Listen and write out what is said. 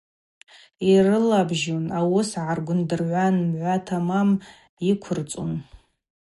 Йрылабжьун, ауыс гӏаргвындыргӏвуан, мгӏва тамам йыквырцӏун.